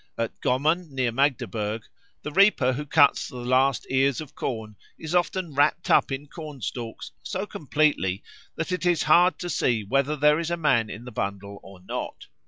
At Gommern, near Magdeburg, the reaper who cuts the last ears of corn is often wrapt up in corn stalks so completely that it is hard to see whether there is a man in the bundle or not.